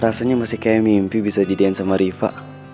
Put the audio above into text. rasanya masih kayak mimpi bisa jadian sama riva